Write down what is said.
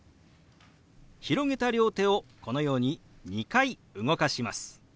広げた両手をこのように２回動かします。